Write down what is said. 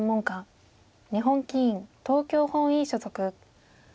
日本棋院東京本院所属。